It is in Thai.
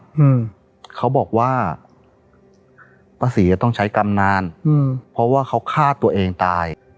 อืมเขาบอกว่าป้าศรีอ่ะต้องใช้กรรมนานอืมเพราะว่าเขาฆ่าตัวเองตาย